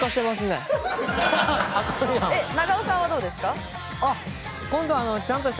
長尾さんはどうですか？